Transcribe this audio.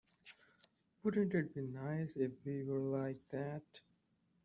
Wouldn't it be nice if we were like that?